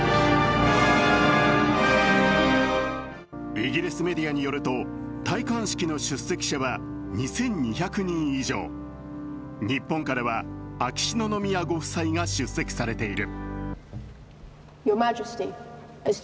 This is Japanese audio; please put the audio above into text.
イギリスメディアによると戴冠式の出席者は２２００人以上、日本からは秋篠宮ご夫妻が出席されている。